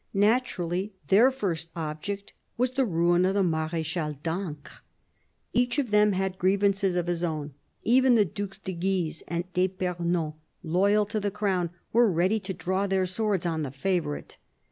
Naturally, their first object was the ruin of the Mardchal d'Ancre. Each of them had grievances of his own. Even the Dues de Guise and d'fipernon, loyal to the Crown, were ready to draw their swords on the favourite.